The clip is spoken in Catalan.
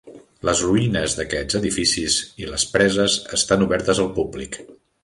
Les ruïnes d'aquests edificis i les preses estan obertes al públic.